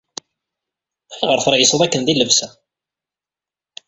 Ayɣer treyyseḍ akken di llebsa?